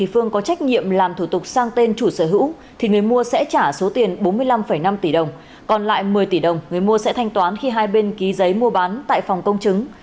bên chủ sở hữu thì người mua sẽ trả số tiền bốn mươi năm năm tỷ đồng còn lại một mươi tỷ đồng người mua sẽ thanh toán khi hai bên ký giấy mua bán tại phòng công chứng